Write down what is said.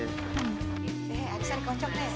aduh saya rekonstruksi